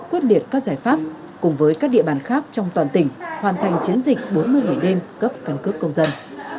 quyết biệt các giải pháp cùng với các địa bàn khác trong toàn tỉnh hoàn thành chiến dịch bốn mươi ngày đêm cấp cân cấp công dân